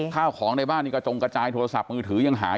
ข้าวของในบ้านนี้กระจงกระจายโทรศัพท์มือถือยังหาย